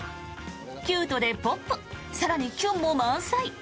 キュートでポップ更に、キュンも満載。